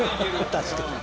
確かに。